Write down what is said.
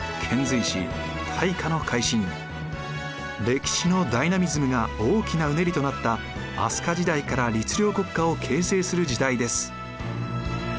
歴史のダイナミズムが大きなうねりとなった飛鳥時代から律令国家を形成する時代です。